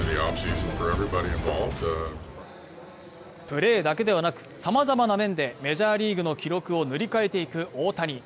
プレーだけではなくさまざまな面でメジャーリーグの記録を塗り替えていく大谷。